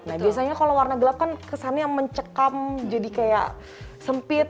nah biasanya kalau warna gelap kan kesannya mencekam jadi kayak sempit